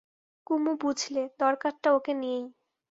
কুমু বঝলে, দরকারটা ওকে নিয়েই।